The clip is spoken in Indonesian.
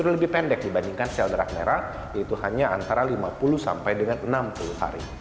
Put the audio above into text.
lebih pendek dibandingkan sel darah merah yaitu hanya antara lima puluh sampai dengan enam puluh hari